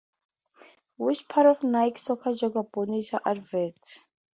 Which is part of Nike's soccer Joga Bonito adverts.